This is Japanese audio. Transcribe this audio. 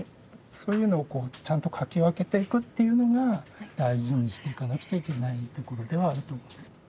そういうのをちゃんと描き分けていくっていうのが大事にしていかなくちゃいけないところではあると思うんです。